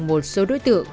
một số đối tượng